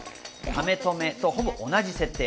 『カメ止め』とほぼ同じ設定。